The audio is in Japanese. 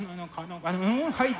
はい！